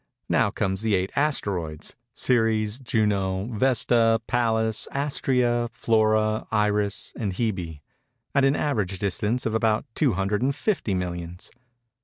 Now come the eight Asteroids (Ceres, Juno, Vesta, Pallas, Astræa, Flora, Iris, and Hebe) at an average distance of about 250 millions.